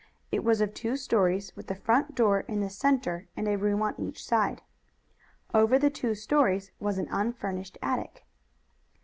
It was of two stories, with the front door in the center and a room on each side. Over the two stories was an unfurnished attic.